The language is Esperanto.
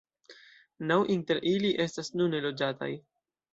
Naŭ inter ili estas nune loĝataj.